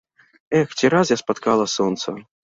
Эх, ці раз я спатыкала сонца.